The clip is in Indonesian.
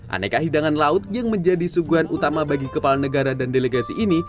aneka hidangan laut yang menjadi suguhan utama bagi kepala negara dan delegasi ini